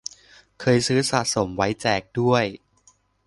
เคยซื้อสะสมไว้แจกด้วย